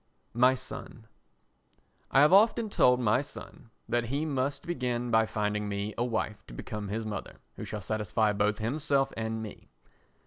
My Son I have often told my son that he must begin by finding me a wife to become his mother who shall satisfy both himself and me.